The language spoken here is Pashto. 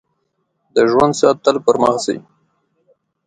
• د ژوند ساعت تل پر مخ ځي.